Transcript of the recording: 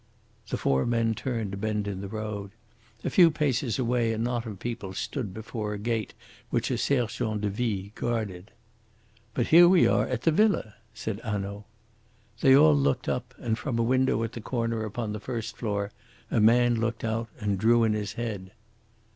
The four men turned a bend in the road. A few paces away a knot of people stood before a gate which a sergent de ville guarded. "But here we are at the villa," said Hanaud. They all looked up and, from a window at the corner upon the first floor a man looked out and drew in his head.